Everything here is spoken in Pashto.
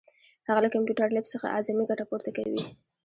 هغه له کمپیوټر لیب څخه اعظمي ګټه پورته کوي.